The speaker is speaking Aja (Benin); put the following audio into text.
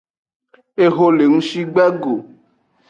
Eho le ngshi gbe go.